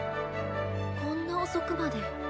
こんな遅くまで。